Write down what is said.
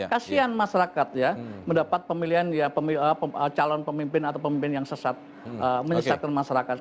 kasian masyarakat ya mendapat pemilihan calon pemimpin atau pemimpin yang sesat menyesatkan masyarakat